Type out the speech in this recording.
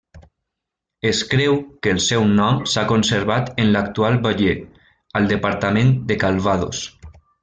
Es creu que el seu nom s'ha conservat en l'actual Bayeux al departament de Calvados.